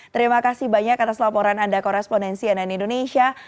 terima kasih banyak atas laporan anda korespondensi nn indonesia